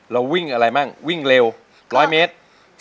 เราวิ่งอะไรมั่งวิ่งเร็ว๑๐๐เมตร